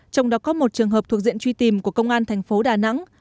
trong đó có một trường hợp thuộc diện truy tìm của công an tp đà nẵng